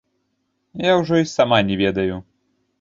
Я ўжо й сама не ведаю.